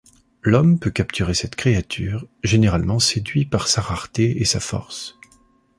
L'homme peut capturer cette créature, généralement séduit par sa rareté et sa force.